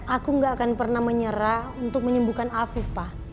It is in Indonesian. aku gak akan pernah menyerah untuk menyembuhkan afif pak